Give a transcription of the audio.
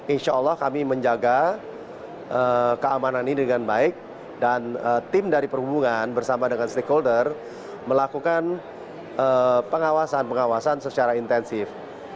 insya allah kami menjaga keamanan ini dengan baik dan tim dari perhubungan bersama dengan stakeholder melakukan pengawasan pengawasan secara intensif